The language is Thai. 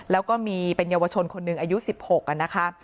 แล้วก็มีเป็นเยาวชนคนหนึ่งอายุ๑๖นะคะ